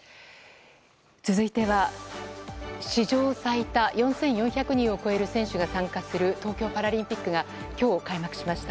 続いては史上最多４４００人を超える選手が参加する東京パラリンピックが今日、開幕しました。